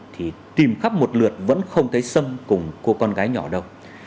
thì tìm khắp một lượt vẫn không thấy xâm cùng cô con gái nhỏ đâu